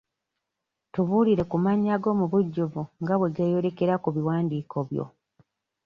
Tubuulire ku mannya go mu bujjuvu nga bwe geeyolerekera ku biwandiiko byo.